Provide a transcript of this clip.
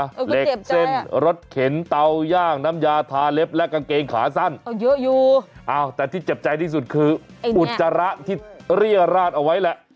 เหล็กเส้นรถเข็นเตาย่างน้ำยาทาเล็บและกางเกงขาสั้นเอาเยอะอยู่อ้าวแต่ที่เจ็บใจที่สุดคืออุจจาระที่เรียราดเอาไว้แหละ